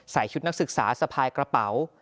ชุดนักศึกษาสะพายกระเป๋า